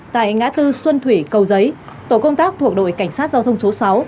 tại ngã tư xuân thủy cầu giấy tổ công tác thuộc đội cảnh sát giao thông số sáu